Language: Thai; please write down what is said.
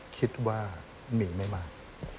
คิดว่ามีไม่มาก